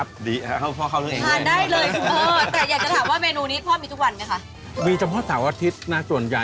มีเรียกเรื่องอาหารดีกว่า